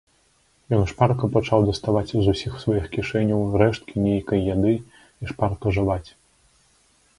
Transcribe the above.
Ён шпарка пачаў даставаць з усіх сваіх кішэняў рэшткі нейкай яды і шпарка жаваць.